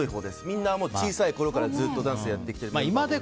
みんなは小さいころかずっとダンスやってきているので。